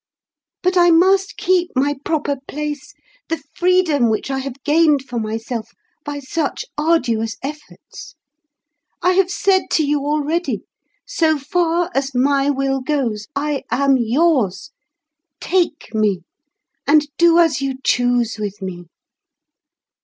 But I must keep my proper place, the freedom which I have gained for myself by such arduous efforts. I have said to you already, 'So far as my will goes, I am yours; take me, and do as you choose with me.